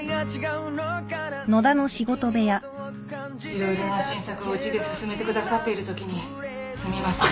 色々な新作をうちで進めてくださっているときにすみません。